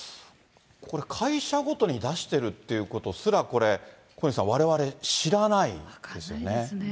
これ、会社ごとに出してるっていうことすら、小西さん、分かんないですね。